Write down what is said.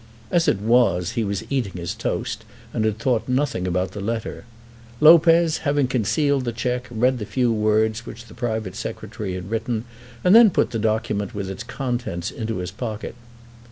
As it was, he was eating his toast, and had thought nothing about the letter. Lopez, having concealed the cheque, read the few words which the private Secretary had written, and then put the document with its contents into his pocket.